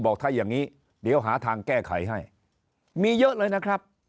บอกถ้าอย่างนี้เดี๋ยวหาทางแก้ไขให้มีเยอะเลยนะครับ